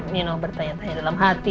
you know bertanya tanya dalam hati